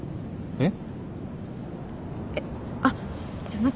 えっ？